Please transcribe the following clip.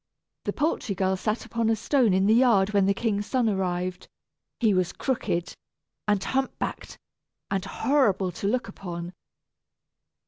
The poultry girl sat upon a stone in the yard when the king's son arrived; he was crooked, and hump backed, and horrible to look upon.